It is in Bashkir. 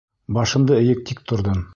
Башымды эйеп тик торҙом.